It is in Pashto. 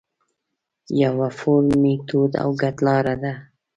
یو فورم، میتود او کڼلاره ده.